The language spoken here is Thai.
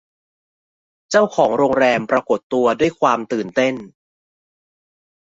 เจ้าของโรงแรมปรากฏตัวด้วยความตื่นเต้น